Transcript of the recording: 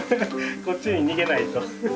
こっちに逃げないと。